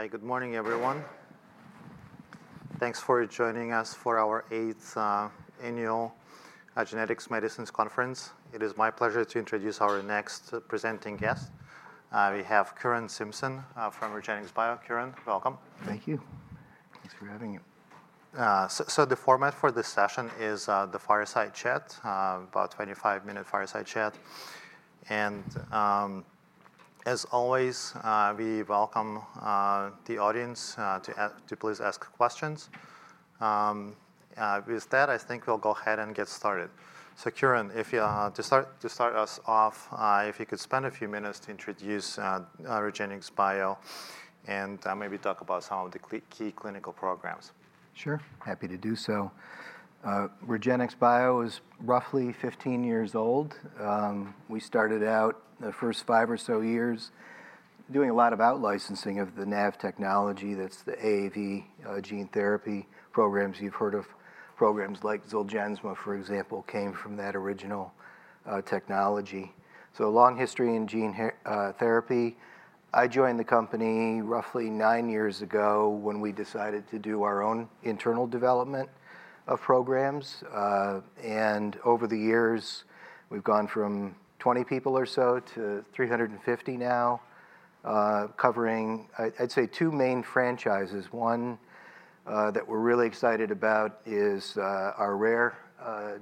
All right, good morning, everyone. Thanks for joining us for our eighth annual Genetic Medicines Conference. It is my pleasure to introduce our next presenting guest. We have Curran Simpson from REGENXBIO. Curran, welcome. Thank you. Thanks for having me. So the format for this session is the fireside chat about a 25-minute fireside chat. And as always, we welcome the audience to please ask questions. With that, I think we'll go ahead and get started. So Curran, if you... To start us off, if you could spend a few minutes to introduce REGENXBIO, and maybe talk about some of the key clinical programs. Sure, happy to do so. REGENXBIO is roughly 15 years old. We started out the first five or so years doing a lot of out-licensing of the NAV technology, that's the AAV gene therapy programs. You've heard of programs like Zolgensma, for example, came from that original technology. So a long history in gene therapy. I joined the company roughly nine years ago when we decided to do our own internal development of programs. And over the years, we've gone from 20 people or so to 350 now, covering, I'd say, two main franchises. One that we're really excited about is our rare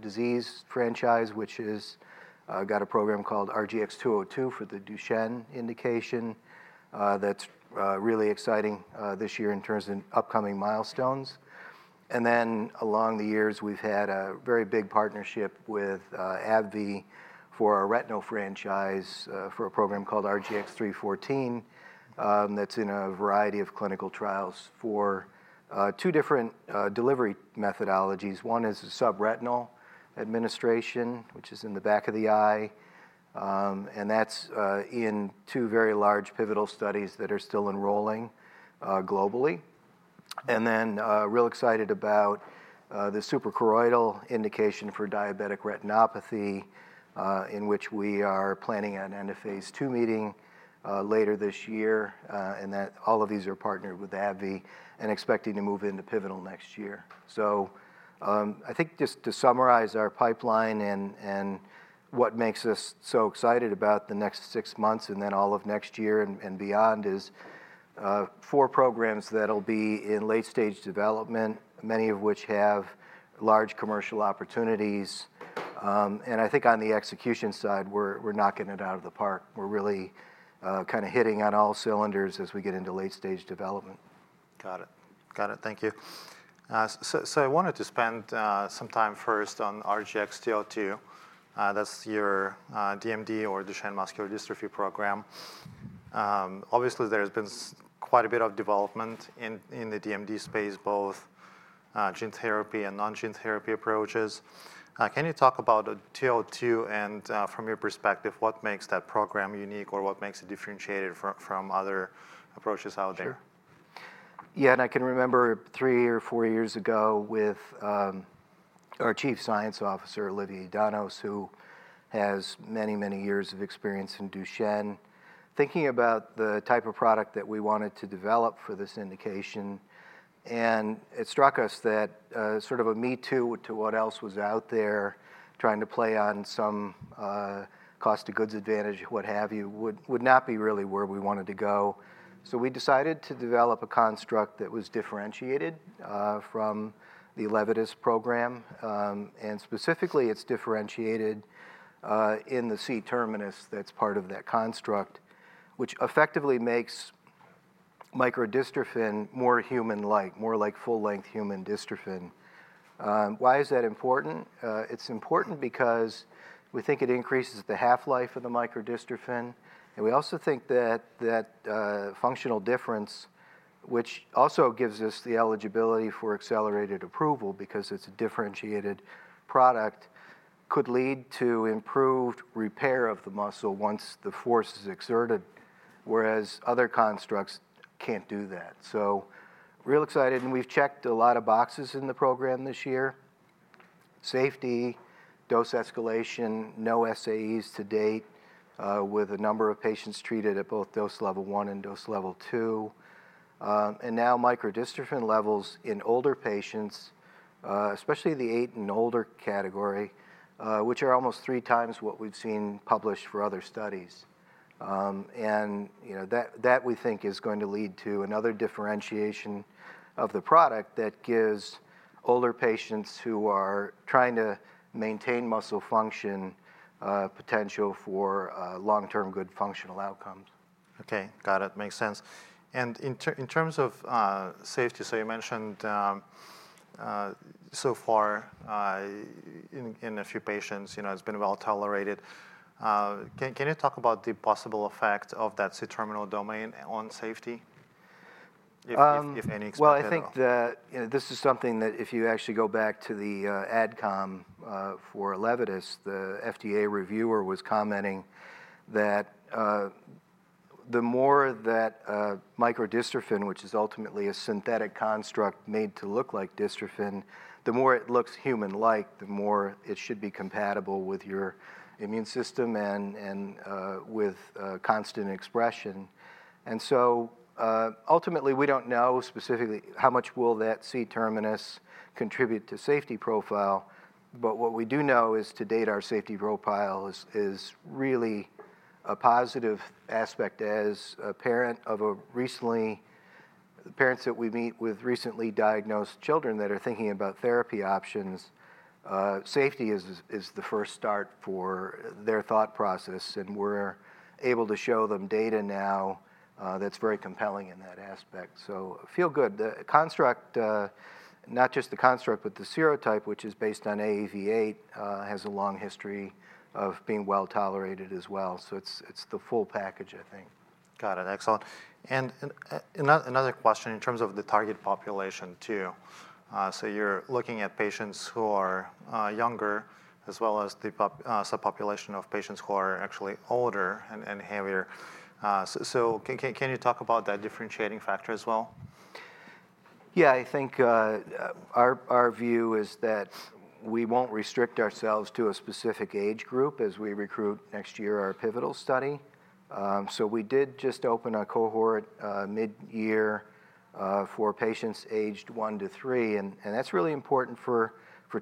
disease franchise, which is got a program called RGX-202 for the Duchenne indication. That's really exciting this year in terms of upcoming milestones. And then, along the years, we've had a very big partnership with AbbVie for our retinal franchise, for a program called RGX-314, that's in a variety of clinical trials for two different delivery methodologies. One is a subretinal administration, which is in the back of the eye, and that's in two very large pivotal studies that are still enrolling globally. And then, real excited about the suprachoroidal indication for diabetic retinopathy, in which we are planning an end-of-phase 2 meeting later this year. And that all of these are partnered with AbbVie, and expecting to move into pivotal next year. I think just to summarize our pipeline and what makes us so excited about the next six months, and then all of next year and beyond, is four programs that'll be in late-stage development, many of which have large commercial opportunities. I think on the execution side, we're knocking it out of the park. We're really kind of hitting on all cylinders as we get into late-stage development. Got it. Got it. Thank you. So, I wanted to spend some time first on RGX-202. That's your DMD or Duchenne muscular dystrophy program. Obviously, there has been quite a bit of development in the DMD space, both gene therapy and non-gene therapy approaches. Can you talk about 202, and from your perspective, what makes that program unique or what makes it differentiated from other approaches out there? Sure. Yeah, and I can remember three or four years ago, with our Chief Scientific Officer, Olivier Danos, who has many, many years of experience in Duchenne, thinking about the type of product that we wanted to develop for this indication. And it struck us that sort of a me-too to what else was out there, trying to play on some cost of goods advantage, what have you, would not be really where we wanted to go. So we decided to develop a construct that was differentiated from the Elevidys program. And specifically, it's differentiated in the C-terminus that's part of that construct, which effectively makes microdystrophin more human-like, more like full-length human dystrophin. Why is that important? It's important because we think it increases the half-life of the microdystrophin, and we also think that functional difference, which also gives us the eligibility for accelerated approval, because it's a differentiated product, could lead to improved repair of the muscle once the force is exerted, whereas other constructs can't do that. So, really excited, and we've checked a lot of boxes in the program this year: safety, dose escalation, no SAEs to date, with a number of patients treated at both dose level one and dose level two, and now, microdystrophin levels in older patients, especially the eight and older category, which are almost three times what we've seen published for other studies. and, you know, that we think is going to lead to another differentiation of the product that gives older patients who are trying to maintain muscle function, potential for long-term good functional outcomes. Okay. Got it. Makes sense. And in terms of safety, so you mentioned, so far, in a few patients, you know, it's been well-tolerated. Can you talk about the possible effect of that C-terminal domain on safety, if any expected at all? Well, I think that, you know, this is something that if you actually go back to the AdCom for Elevidys, the FDA reviewer was commenting that the more that microdystrophin, which is ultimately a synthetic construct made to look like dystrophin, the more it looks human-like, the more it should be compatible with your immune system and with constant expression. And so ultimately, we don't know specifically how much will that C-terminus contribute to safety profile, but what we do know is, to date, our safety profile is really a positive aspect. As a parent of a recently... Parents that we meet with recently diagnosed children that are thinking about therapy options, safety is the first start for their thought process, and we're able to show them data now, that's very compelling in that aspect. So feel good. The construct, not just the construct, but the serotype, which is based on AAV8, has a long history of being well-tolerated as well, so it's the full package, I think. Got it. Excellent. Another question in terms of the target population, too. So you're looking at patients who are younger, as well as the subpopulation of patients who are actually older and heavier. Can you talk about that differentiating factor as well? Yeah, I think, our view is that we won't restrict ourselves to a specific age group as we recruit next year our pivotal study. So we did just open a cohort, midyear, for patients aged one to three, and that's really important for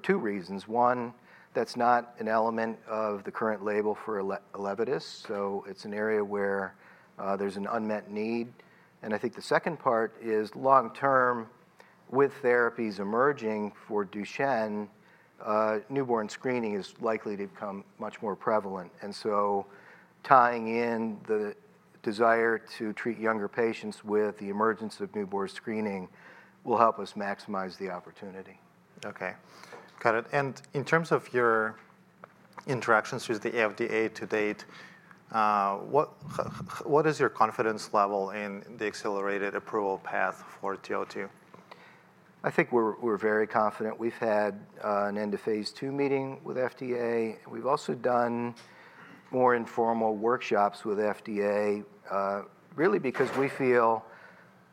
two reasons: one, that's not an element of the current label for Elevidys, so it's an area where there's an unmet need, and I think the second part is, long term, with therapies emerging for Duchenne, newborn screening is likely to become much more prevalent, and so tying in the desire to treat younger patients with the emergence of newborn screening will help us maximize the opportunity. Okay. Got it and in terms of your interactions with the FDA to date, what is your confidence level in the accelerated approval path for RGX-202? I think we're very confident. We've had an end-of-phase 2 meeting with FDA. We've also done more informal workshops with FDA, really because we feel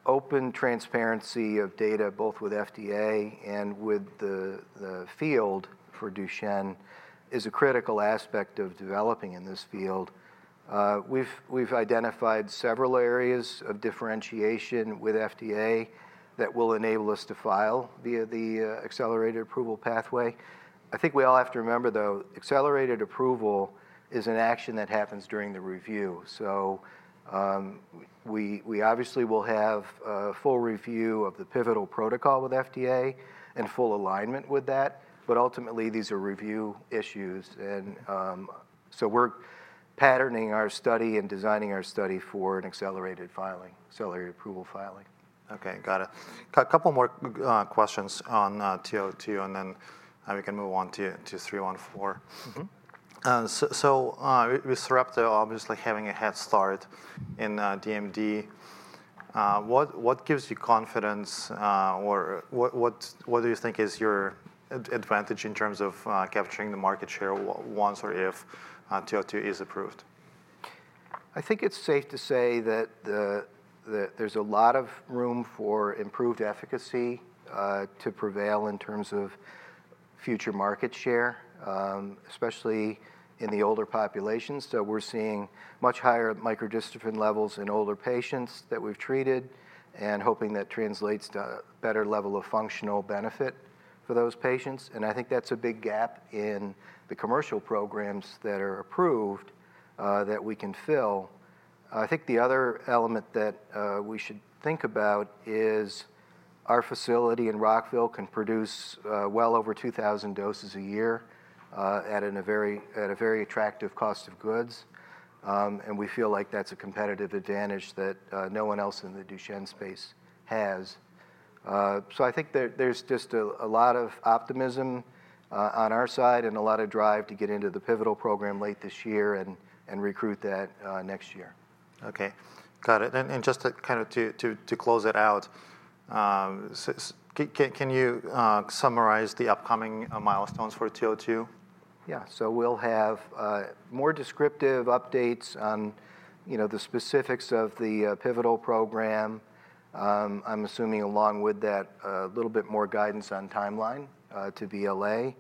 open transparency of data, both with FDA and with the field for Duchenne, is a critical aspect of developing in this field. We've identified several areas of differentiation with FDA that will enable us to file via the accelerated approval pathway. I think we all have to remember, though, accelerated approval is an action that happens during the review, so we obviously will have a full review of the pivotal protocol with FDA and full alignment with that, but ultimately, these are review issues, and so we're patterning our study and designing our study for an accelerated approval filing. Okay, got it. A couple more questions on 202, and then we can move on to 314. Mm-hmm. With Sarepta obviously having a head start in DMD, what gives you confidence or what do you think is your advantage in terms of capturing the market share once or if 202 is approved? I think it's safe to say that there's a lot of room for improved efficacy to prevail in terms of future market share, especially in the older population. So we're seeing much higher microdystrophin levels in older patients that we've treated and hoping that translates to better level of functional benefit for those patients, and I think that's a big gap in the commercial programs that are approved that we can fill. I think the other element that we should think about is our facility in Rockville can produce well over 2,000 doses a year at a very attractive cost of goods, and we feel like that's a competitive advantage that no one else in the Duchenne space has. So I think there's just a lot of optimism on our side and a lot of drive to get into the pivotal program late this year and recruit that next year. Okay. Got it. And just to kind of close it out, so can you summarize the upcoming milestones for 202? Yeah. So we'll have more descriptive updates on, you know, the specifics of the pivotal program. I'm assuming along with that, a little bit more guidance on timeline to BLA.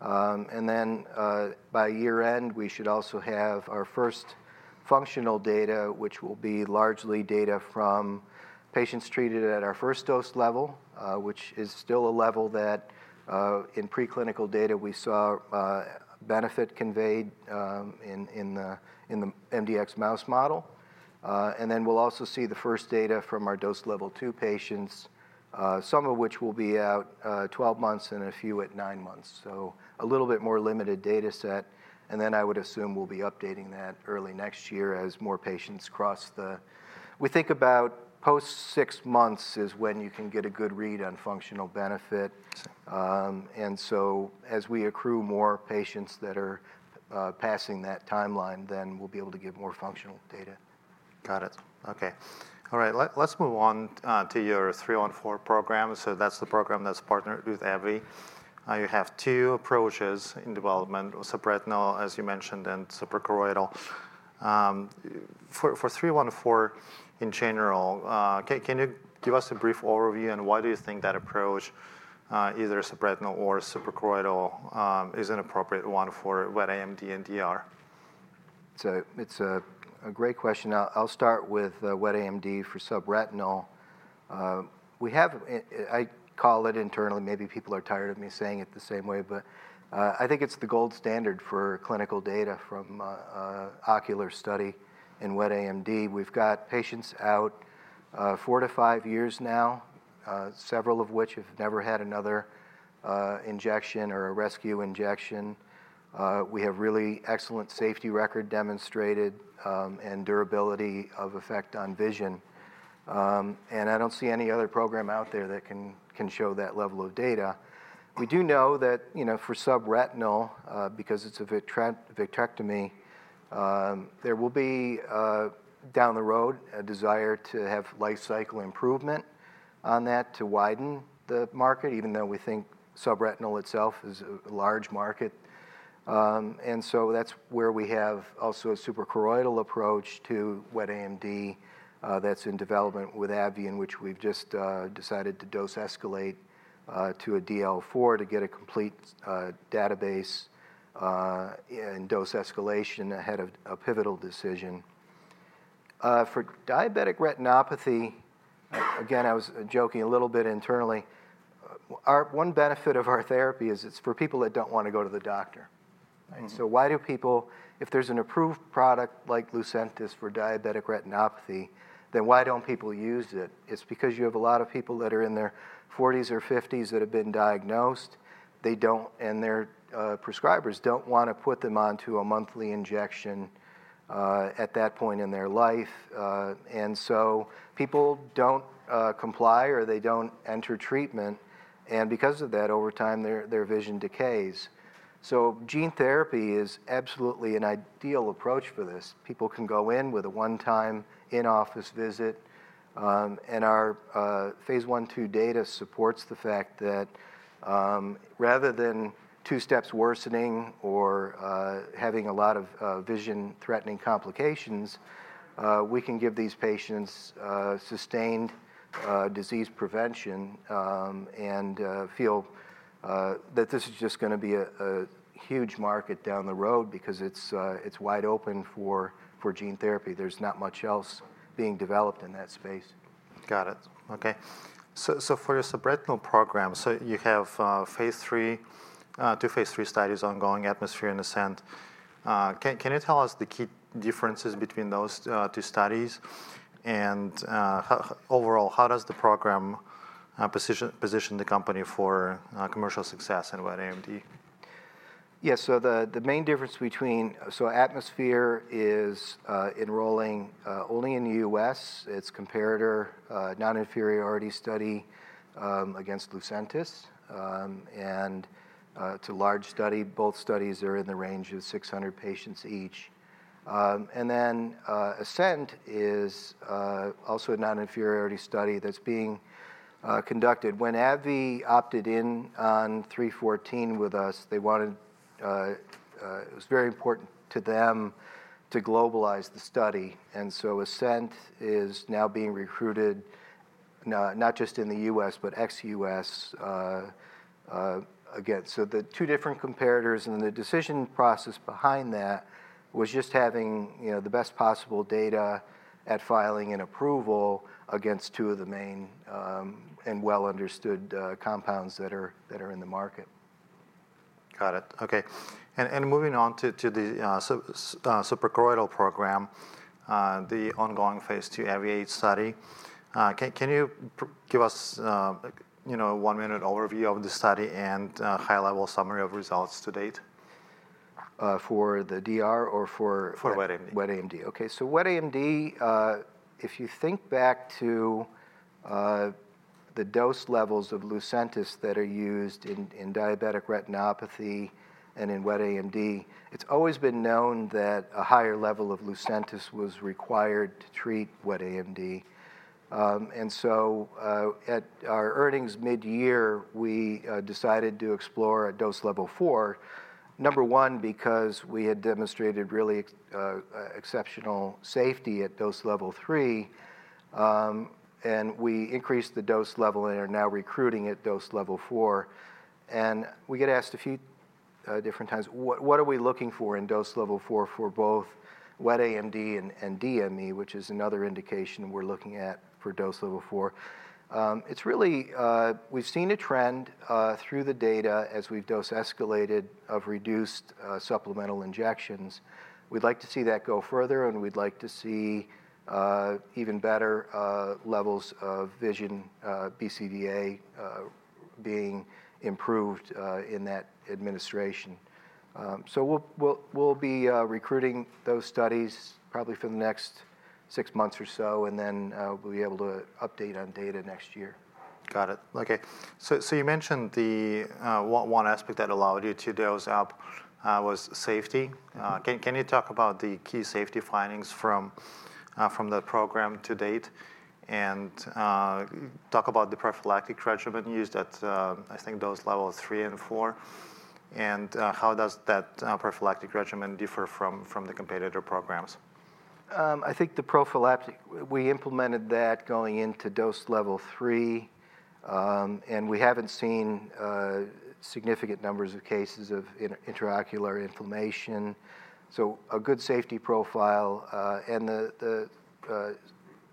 And then, by year-end, we should also have our first functional data, which will be largely data from patients treated at our first dose level, which is still a level that, in preclinical data, we saw benefit conveyed in the mdx mouse model. And then we'll also see the first data from our dose level 2 patients, some of which will be out 12 months and a few at nine months. So a little bit more limited data set, and then I would assume we'll be updating that early next year as more patients cross the... We think about post six months is when you can get a good read on functional benefit. And so as we accrue more patients that are, passing that timeline, then we'll be able to give more functional data. Got it. Okay. All right, let's move on to your 314 program. So that's the program that's partnered with AbbVie. You have two approaches in development, subretinal, as you mentioned, and suprachoroidal. For 314, in general, can you give us a brief overview on why do you think that approach, either subretinal or suprachoroidal, is an appropriate one for wet AMD and DR? It's a great question. I'll start with wet AMD for subretinal. I call it internally, maybe people are tired of me saying it the same way, but I think it's the gold standard for clinical data from ocular study in wet AMD. We've got patients out four to five years now, several of which have never had another injection or a rescue injection. We have really excellent safety record demonstrated, and durability of effect on vision, and I don't see any other program out there that can show that level of data. We do know that, you know, for subretinal, because it's a vitrectomy, there will be, down the road, a desire to have life cycle improvement on that to widen the market, even though we think subretinal itself is a large market. And so that's where we have also a suprachoroidal approach to wet AMD, that's in development with AbbVie, in which we've just decided to dose escalate to a DL4 to get a complete safety database and dose escalation ahead of a pivotal decision. For diabetic retinopathy, again, I was joking a little bit internally, our one benefit of our therapy is it's for people that don't want to go to the doctor. Mm. So why do people... If there's an approved product like Lucentis for diabetic retinopathy, then why don't people use it? It's because you have a lot of people that are in their forties or fifties that have been diagnosed, they don't, and their prescribers don't want to put them onto a monthly injection at that point in their life. And so people don't comply or they don't enter treatment, and because of that, over time, their vision decays. So gene therapy is absolutely an ideal approach for this. People can go in with a one-time in-office visit. And our phase 1/2 data supports the fact that, rather than two-step worsening or having a lot of vision-threatening complications, we can give these patients sustained disease prevention and feel that this is just gonna be a huge market down the road because it's wide open for gene therapy. There's not much else being developed in that space. Got it. Okay. So for your subretinal program, you have two phase 3 studies ongoing, ATMOSPHERE and ASCEND. Can you tell us the key differences between those two studies? And overall, how does the program position the company for commercial success in wet AMD? Yeah, so the, the main difference between... So ATMOSPHERE is enrolling only in the U.S. It's comparator non-inferiority study against Lucentis. And it's a large study. Both studies are in the range of 600 patients each. And then ASCEND is also a non-inferiority study that's being conducted. When AbbVie opted in on 314 with us, they wanted... It was very important to them to globalize the study, and so ASCEND is now being recruited, not just in the U.S., but ex-U.S., again. So the two different comparators and the decision process behind that was just having, you know, the best possible data at filing and approval against two of the main and well-understood compounds that are in the market. Got it. Okay. And moving on to the suprachoroidal program, the ongoing phase 2 AVIATE study. Can you give us, you know, a one-minute overview of the study and a high-level summary of results to date? for the DR or for- For Wet AMD. Wet AMD. Okay, so wet AMD, if you think back to the dose levels of Lucentis that are used in diabetic retinopathy and in wet AMD, it's always been known that a higher level of Lucentis was required to treat wet AMD. And so, at our earnings midyear, we decided to explore a dose level four, number one, because we had demonstrated really exceptional safety at dose level three, and we increased the dose level and are now recruiting at dose level four. We get asked a few different times, what are we looking for in dose level four for both wet AMD and DME, which is another indication we're looking at for dose level four. It's really, we've seen a trend through the data as we've dose escalated of reduced supplemental injections. We'd like to see that go further, and we'd like to see even better levels of vision, BCVA, being improved in that administration. So we'll be recruiting those studies probably for the next six months or so, and then we'll be able to update on data next year.... Got it. Okay, so, so you mentioned the one aspect that allowed you to dose up was safety. Mm-hmm. Can you talk about the key safety findings from the program to date? And talk about the prophylactic regimen used at, I think, dose level three and four, and how does that prophylactic regimen differ from the competitor programs? I think the prophylactic, we implemented that going into dose level three, and we haven't seen significant numbers of cases of intraocular inflammation, so a good safety profile, and the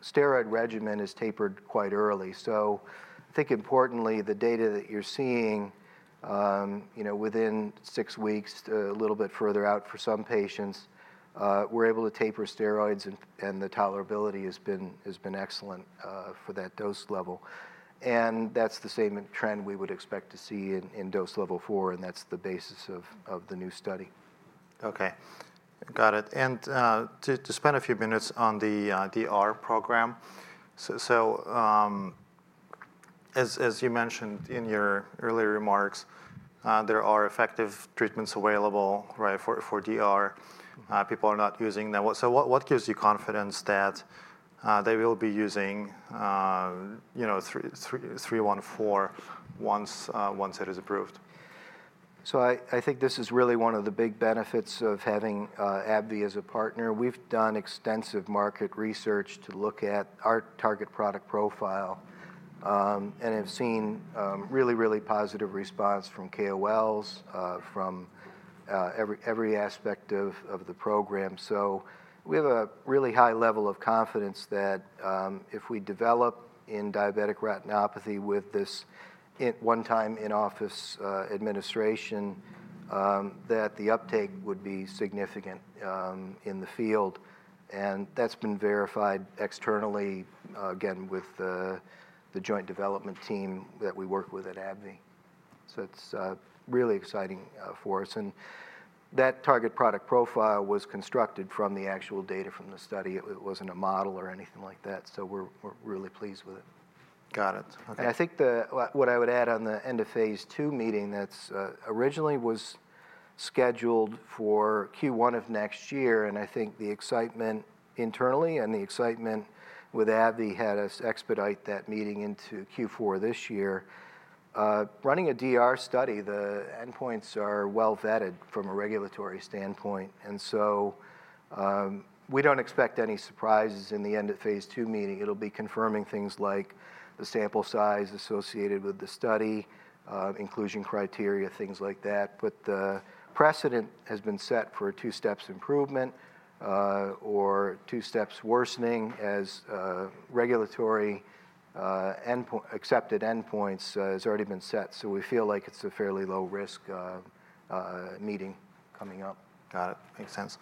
steroid regimen is tapered quite early, so I think importantly, the data that you're seeing, you know, within six weeks, a little bit further out for some patients, we're able to taper steroids, and the tolerability has been excellent for that dose level, and that's the same trend we would expect to see in dose level four, and that's the basis of the new study. Okay. Got it. And to spend a few minutes on the DR program, so as you mentioned in your earlier remarks, there are effective treatments available, right? For DR. Mm-hmm. People are not using them. So what gives you confidence that they will be using, you know 314 once it is approved? So I think this is really one of the big benefits of having AbbVie as a partner. We've done extensive market research to look at our target product profile, and have seen really positive response from KOLs, from every aspect of the program. So we have a really high level of confidence that if we develop in diabetic retinopathy with this in-office one-time administration, that the uptake would be significant in the field, and that's been verified externally, again, with the joint development team that we work with at AbbVie. So it's really exciting for us. And that target product profile was constructed from the actual data from the study. It wasn't a model or anything like that, so we're really pleased with it. Got it. Okay. And I think what I would add on the end of phase two meeting, that's originally was scheduled for Q1 of next year, and I think the excitement internally and the excitement with AbbVie had us expedite that meeting into Q4 this year. Running a DR study, the endpoints are well vetted from a regulatory standpoint, and so we don't expect any surprises in the end of phase two meeting. It'll be confirming things like the sample size associated with the study, inclusion criteria, things like that. But the precedent has been set for a two-steps improvement or two steps worsening as regulatory endpoint-accepted endpoints has already been set. So we feel like it's a fairly low risk meeting coming up. Got it. Makes sense.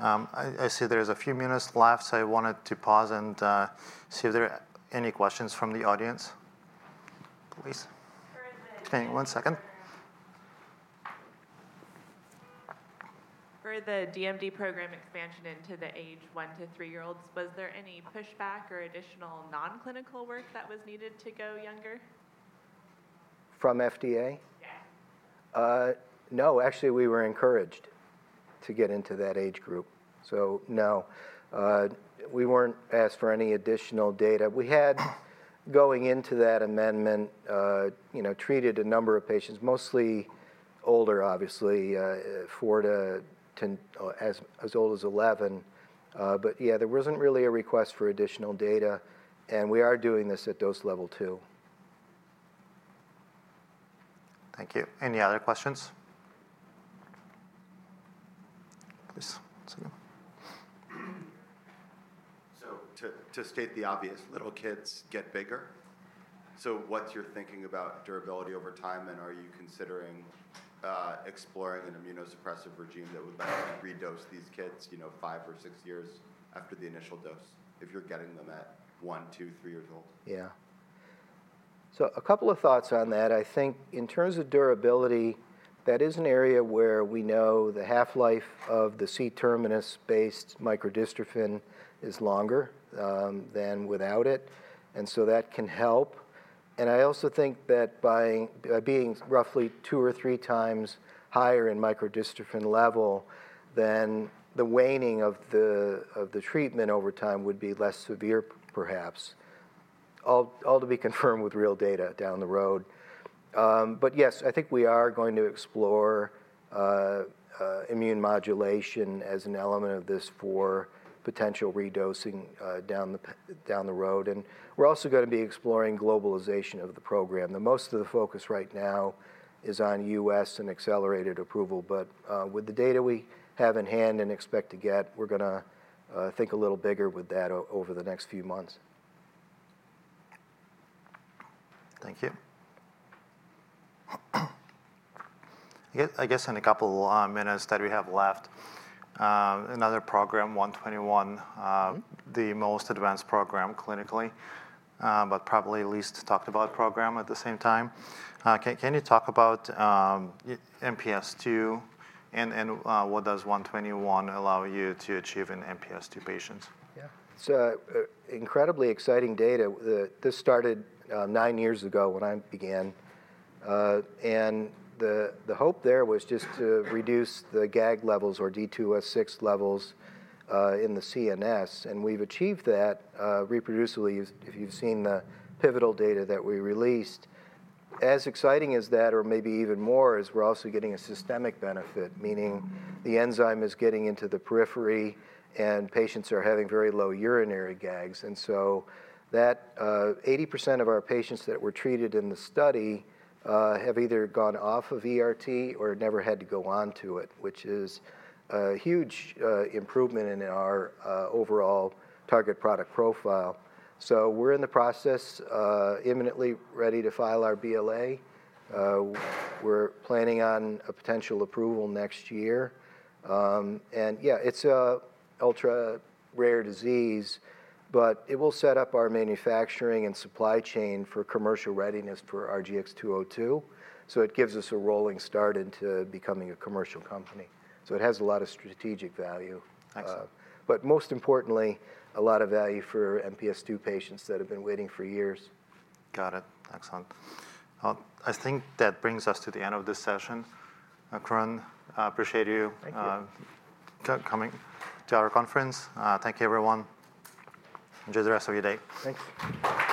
I see there's a few minutes left, so I wanted to pause and see if there are any questions from the audience. Please. For the- One second. For the DMD program expansion into the age one to three-year-olds, was there any pushback or additional non-clinical work that was needed to go younger? From FDA? Yeah. No, actually, we were encouraged to get into that age group. So, no, we weren't asked for any additional data. We had, going into that amendment, you know, treated a number of patients, mostly older, obviously, four to 10, or as old as 11. But yeah, there wasn't really a request for additional data, and we are doing this at dose level two. Thank you. Any other questions? Please. So... To state the obvious, little kids get bigger. What's your thinking about durability over time, and are you considering exploring an immunosuppressive regimen that would redose these kids, you know, five or six years after the initial dose, if you're getting them at one, two, three years old? Yeah. So a couple of thoughts on that. I think in terms of durability, that is an area where we know the half-life of the C-terminus based microdystrophin is longer than without it, and so that can help. And I also think that by being roughly two or three times higher in microdystrophin level than the waning of the treatment over time would be less severe, perhaps. All to be confirmed with real data down the road. But yes, I think we are going to explore immune modulation as an element of this for potential redosing down the road, and we're also gonna be exploring globalization of the program. The most of the focus right now is on U.S. and accelerated approval, but, with the data we have in hand and expect to get, we're gonna, think a little bigger with that over the next few months. Thank you. I guess in a couple minutes that we have left, another program, RGX-121, the most advanced program clinically, but probably least talked about program at the same time. Can you talk about MPS II and what does RGX-121 allow you to achieve in MPS II patients? Yeah. So, incredibly exciting data. This started nine years ago when I began, and the hope there was just to reduce the GAG levels or D2S6 levels in the CNS, and we've achieved that reproducibly, if you've seen the pivotal data that we released. As exciting as that, or maybe even more, is we're also getting a systemic benefit, meaning the enzyme is getting into the periphery, and patients are having very low urinary GAGs. And so that 80% of our patients that were treated in the study have either gone off of ERT or never had to go on to it, which is a huge improvement in our overall target product profile. So we're in the process imminently ready to file our BLA. We're planning on a potential approval next year. And yeah, it's an ultra-rare disease, but it will set up our manufacturing and supply chain for commercial readiness for RGX-202, so it gives us a rolling start into becoming a commercial company. So it has a lot of strategic value. Excellent. But most importantly, a lot of value for MPS II patients that have been waiting for years. Got it. Excellent. I think that brings us to the end of this session. Curran, I appreciate you- Thank you... coming to our conference. Thank you, everyone. Enjoy the rest of your day. Thanks.